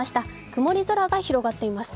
曇り空が広がっています。